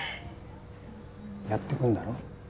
やってくんだろ？